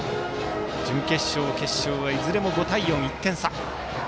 準決勝、決勝はいずれも５対４１点差。